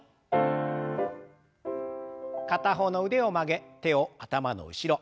片方の腕を曲げ手を頭の後ろ。